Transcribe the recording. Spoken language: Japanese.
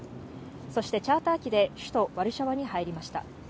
そしてチャーター機で首都ワルシャワに入りました。